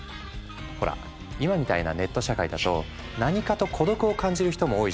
ほら今みたいなネット社会だと何かと孤独を感じる人も多いじゃない？